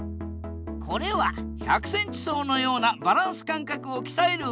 これは１００ｃｍ走のようなバランス感覚をきたえる